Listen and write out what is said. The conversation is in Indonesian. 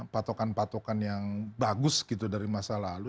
patokan patokan yang bagus gitu dari masa lalu